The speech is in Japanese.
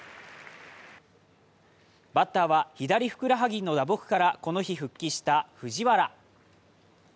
バッターは左ふくらはぎの打撲からこの日復帰した藤原。